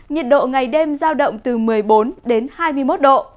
nhiệt độ ngày đêm giao động từ một mươi bốn đến hai mươi một độ